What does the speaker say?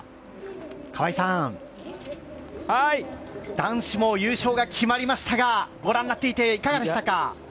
河合さん、男子も優勝が決まりましたがご覧になっていかがでしたか？